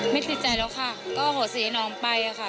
ไม่ติดใจแล้วค่ะก็โหสีให้น้องไปค่ะ